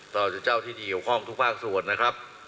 เราจะเจ้าที่เกี่ยวข้องทุกภาคส่วนนะครับ